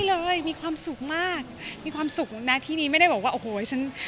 เลยมีความสุขมากมีความสุขแล้วนะที่นี้ไม่ได้บอกว่าโอ้โหฉัน